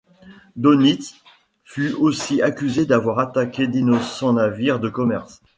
Dönitz fut aussi accusé d'avoir attaqué d'innocents navires de commerce.